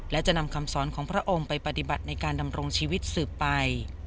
และจะนำคำสอนของพระองค์ไปปฏิบัติในการดำรงชีวิตสืบไป